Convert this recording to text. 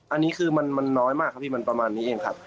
อันนี้คือมันน้อยมากครับพี่มันประมาณนี้เองครับ